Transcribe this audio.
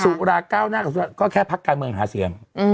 สุราเก้าหน้ากับสุราก็แค่พักการเมืองหาเสียง